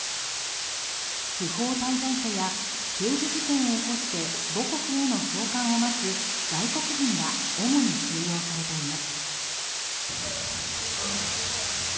不法滞在者や刑事事件を起こして母国への送還を待つ外国人が主に収容されています。